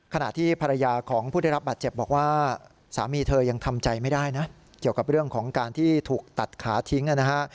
ขณะที่ภรรยาของผู้ได้รับบาดเจ็บบอกว่าสามีเธอยังทำใจไม่ได้นะเกี่ยวกับเรื่องของการที่ถูกตัดขาทิ้งนะฮะ